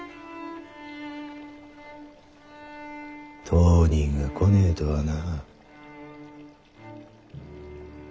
当人が来ねえとはな。